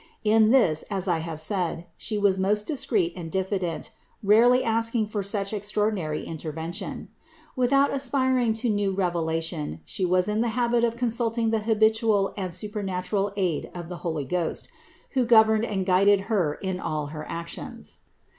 In this as I have said, She was most discreet and diffident, rarely asking for such extraordinary interven tion. Without aspiring to new revelation She was in the habit of consulting the habitual and supernatural aid of the Holy Ghost, who governed and guided Her in all her actions.